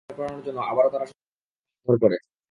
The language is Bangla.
গরু চুরি কথা স্বীকার করানোর জন্য আবারও তারা সনাতনকে মারধর করে।